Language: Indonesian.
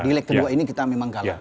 di leg kedua ini kita memang kalah